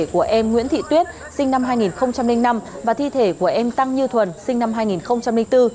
của em nguyễn thị tuyết sinh năm hai nghìn năm và thi thể của em tăng như thuần sinh năm hai nghìn bốn